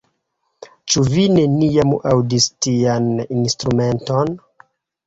Ĉu vi neniam aŭdis tian instrumenton?